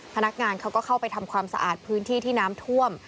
พนักงานเขาก็เข้าไปทำความสะอาดพื้นที่ที่น้ำท่วม